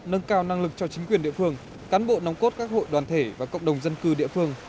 nâng cao năng lực cho chính quyền địa phương cán bộ nóng cốt các hội đoàn thể và cộng đồng dân cư địa phương